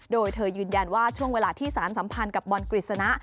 โดยเธอยืนยันว่าช่วงเวลาที่สารสัมพันธ์กับบอลกฤษณะ